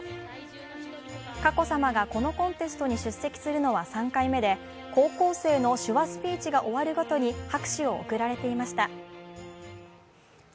佳子さまが、このコンテストに出席するのは３回目で高校生の手話スピーチが終わるごとに拍手を送られていました。